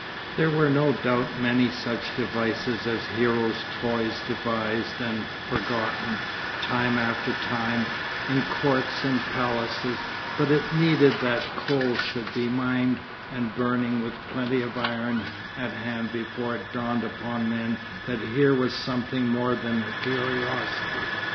There were no doubt many such devices as Hero's toys devised and forgotten, time after time, in courts and palaces, but it needed that coal should be mined and burning with plenty of iron at hand before it dawned upon men that here was something more than a curiosity.